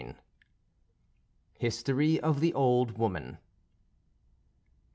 XI HISTORY OF THE OLD WOMAN.